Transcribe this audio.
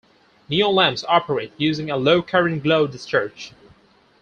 Neon lamps operate using a low current glow discharge.